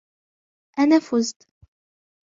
أنا فُزت!